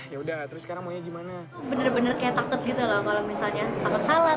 yaudah terus sekarang maunya gimana